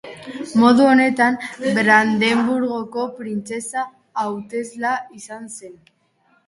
Modu honetan Brandenburgoko printzesa hauteslea izan zen.